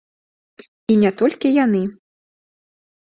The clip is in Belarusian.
І не толькі яны.